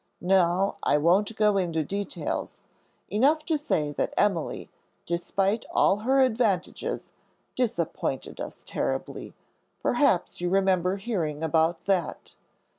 Now I won't go into details; enough to say that Emily, despite all her advantages, disappointed us utterly. Perhaps you remember hearing about that.